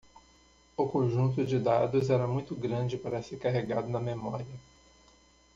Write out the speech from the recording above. O conjunto de dados era muito grande para ser carregado na memória.